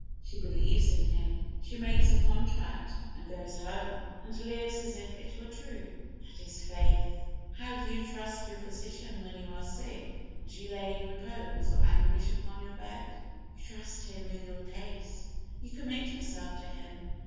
She believes in him. She makes a contract, and goes home, and lives as if it were true. That is faith. How do you trust your physician when you are sick, as you lay in repose or anguish upon your bed? You trust him with your case. You commit yourself to him.